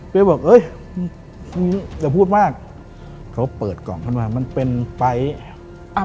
บอกเอ้ยมึงอย่าพูดมากเขาเปิดกล่องขึ้นมามันเป็นไฟล์อ่า